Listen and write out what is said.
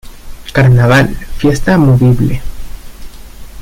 Carnaval: Fiesta movible.